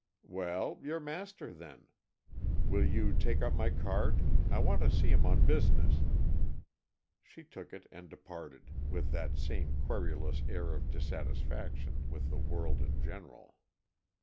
"Well, your master, then. Will you take up my card? I want to see him on business." She took it and departed, with that same querulous air of dissatisfaction with the world in general.